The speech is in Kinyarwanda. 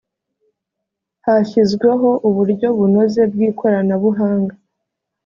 hashyizweho uburyo bunoze bw ikoranabuhanga